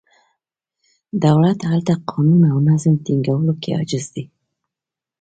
دولت هلته قانون او نظم ټینګولو کې عاجز دی.